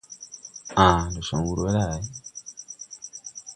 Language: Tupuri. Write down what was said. Aã, ndo con wur we lay ?